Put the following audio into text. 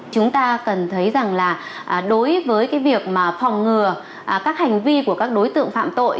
chúng ta cần thấy rằng là đối với cái việc mà phòng ngừa các hành vi của các đối tượng phạm tội